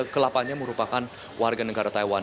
kelapanya merupakan warga negara taiwan